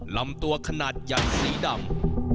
ลำตัวขนาดใหญ่สีดำ